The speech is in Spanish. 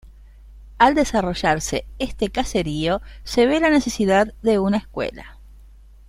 Al desarrollarse este caserío se ve la necesidad de una escuela.